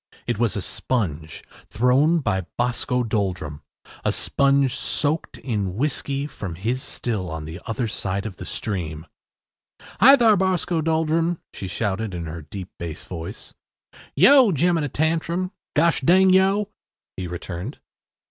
It was a sponge, thrown by Boscoe Doldrum a sponge soaked in whiskey from his still on the other side of the stream. “Hi, thar, Boscoe Doldrum,” she shouted in her deep bass voice. “Yo! Jemina Tantrum. Gosh ding yo’!” he returned.